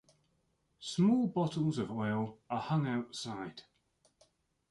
Small bottles of oil are hung outside.